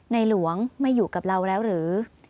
หลวงไม่อยู่กับเราแล้วหรือ